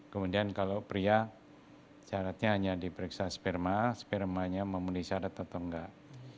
kemudian kalau pria syaratnya hanya diperiksa sperma spermanya memenuhi syarat atau enggak